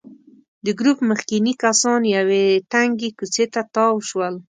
د ګروپ مخکېني کسان یوې تنګې کوڅې ته تاو شول.